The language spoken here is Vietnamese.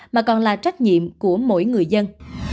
mà còn là trách nhiệm của mỗi người dân